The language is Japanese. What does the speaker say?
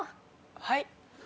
はい？